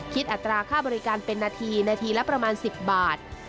อัตราค่าบริการเป็นนาทีนาทีละประมาณ๑๐บาท